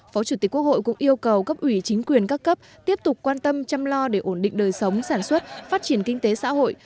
phó chủ tịch quốc hội cũng yêu cầu cấp ủy chính quyền các cấp tiếp tục quan tâm chăm lo để ổn định đời sống sản xuất phát triển kinh tế xã hội